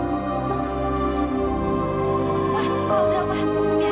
biar dia aja